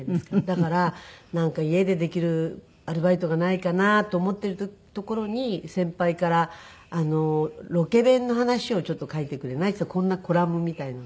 だからなんか家でできるアルバイトがないかなと思ってるところに先輩から「ロケ弁の話をちょっと書いてくれない？」ってこんなコラムみたいなの。